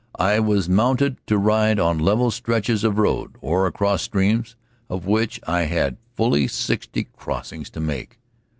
I was mounted to ride on level stretches of the road, or across streams, of which I had fully sixty crossings to make.